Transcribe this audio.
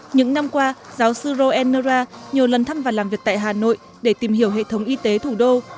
những năm qua giáo sư roenerra nhiều lần thăm và làm việc tại hà nội để tìm hiểu hệ thống y tế thủ đô